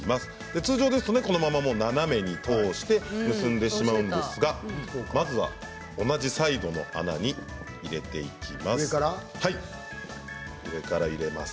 通常ですと、このまま斜めに通して結んでしまうんですがまずは、同じサイドの穴に入れていきます。